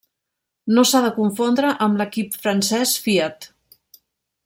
No s'ha de confondre amb l'equip francès Fiat.